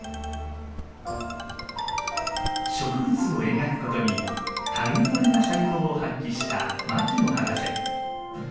植物を描くことにたぐいまれな才能を発揮した牧野博士。